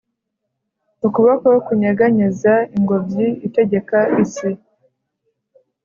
ukuboko kunyeganyeza ingobyi itegeka isi